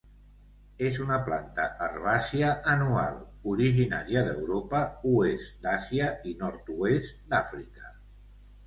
És una planta herbàcia anual originària d'Europa, oest d'Àsia i nord-oest d'Àfrica.